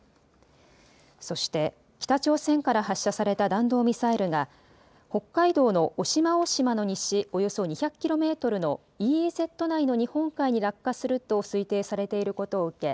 そして北朝鮮から発射された弾道ミサイルが北海道の渡島大島の西およそ２００キロメートルのＥＥＺ内の日本海に落下すると推定されていることを受け